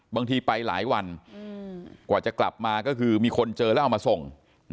บางทีไปหลายวันกว่าจะกลับมาก็คือมีคนเจอแล้วเอามาส่ง